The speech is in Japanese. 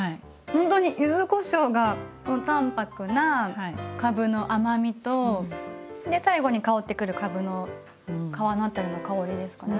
ほんとに柚子こしょうが淡白なかぶの甘みと最後に香ってくるかぶの皮の辺りの香りですかね。